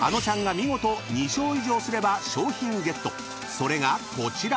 ［それがこちら］